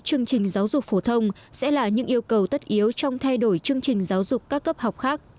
chương trình giáo dục phổ thông sẽ là những yêu cầu tất yếu trong thay đổi chương trình giáo dục các cấp học khác